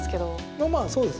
まあまあ、そうです。